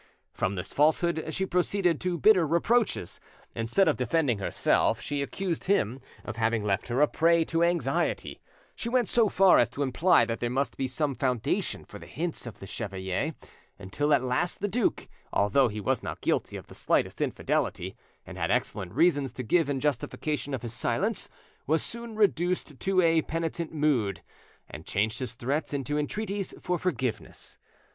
From this falsehood she proceeded to bitter reproaches: instead of defending herself, she accused him of having left her a prey to anxiety; she went so far as to imply that there must be some foundation for the hints of the chevalier, until at last the duke, although he was not guilty of the slightest infidelity, and had excellent reasons to give in justification of his silence, was soon reduced to a penitent mood, and changed his threats into entreaties for forgiveness.